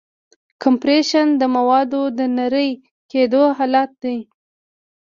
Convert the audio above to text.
کمپریشن د موادو د نری کېدو حالت دی.